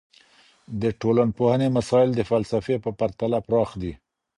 د ټولنپوهني مسایل د فلسفې په پرتله پراخ دي.